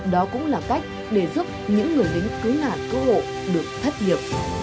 đó cũng là cách để giúp những người lính cứu nạn cứu hộ được thất nghiệp